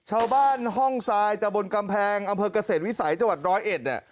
ชาวบ้านห้องทรายตะบนกำแพงอำเภอกเกษตรวิสัยจังหวัดร้อยเอ็ดเนี่ย